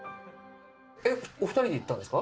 えっ、お２人で行ったんです